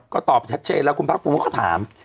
ก็ตอบชัดเช็ดแล้วคุณพระภูมิก็ถาม